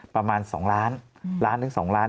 ประมาณสองล้านล้านหรือสองล้าน